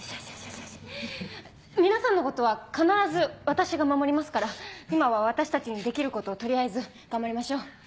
皆さんのことは必ず私が守りますから今は私たちにできることを取りあえず頑張りましょう。